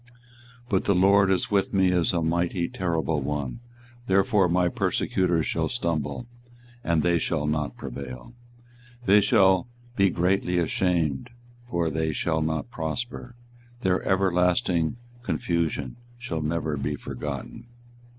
24:020:011 But the LORD is with me as a mighty terrible one: therefore my persecutors shall stumble, and they shall not prevail: they shall be greatly ashamed; for they shall not prosper: their everlasting confusion shall never be forgotten.